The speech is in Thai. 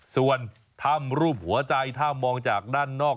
ส่วนถ้ำรูปหัวใจถ้ามองจากด้านนอก